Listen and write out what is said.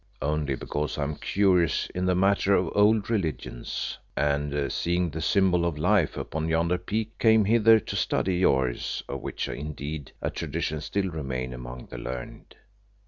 "Only because I am curious in the matter of old religions, and seeing the symbol of Life upon yonder peak, came hither to study yours, of which indeed a tradition still remains among the learned."